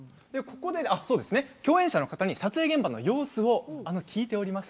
共演者の方に撮影現場の様子を聞いております。